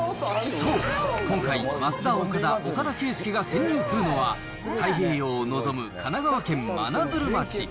そう、今回、ますだおかだ・岡田圭右が潜入するのは、太平洋を望む神奈川県真鶴町。